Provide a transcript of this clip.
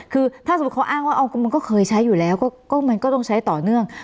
คือถ้าสมมุติเขาอ้างว่ามันก็เคยใช้อยู่แล้วก็มันก็ต้องใช้ต่อเนื่อง